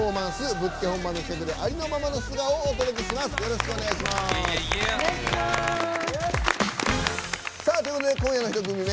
ぶっつけ本番の企画でありのままの素顔をお届けします。ということで今夜の１組目